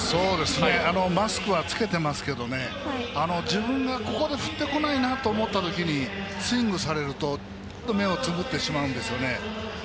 マスクはつけてますけど自分がここで振ってこないなと思ったときにスイングされると目をつむってしまうんですよね。